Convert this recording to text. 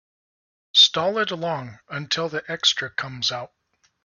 Stall it along until the extra comes out.